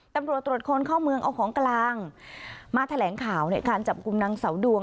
ตำรวจตรวจคนเข้าเมืองเอาของกลางมาแถลงข่าวในการจับกลุ่มนางเสาดวง